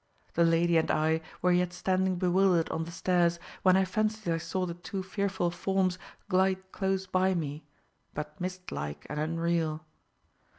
The lady and I were yet standing bewildered on the stairs, when I fancied I saw the two fearful forms glide close by me, but mist like and unreal.